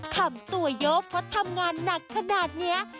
คำตัวเยอะเพราะทำงานหนักขนาดนี้